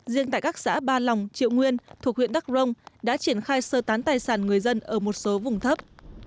riêng tại các xã ba lòng triệu nguyên thuộc huyện đắk rông đã triển khai sơ tán tài sản người dân ở một số vùng thấp